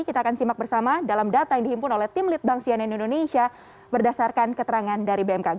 kita akan simak bersama dalam data yang dihimpun oleh tim litbang sianen indonesia berdasarkan keterangan dari bmkg